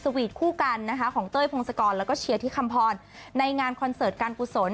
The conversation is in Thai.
วีทคู่กันนะคะของเต้ยพงศกรแล้วก็เชียร์ที่คำพรในงานคอนเสิร์ตการกุศล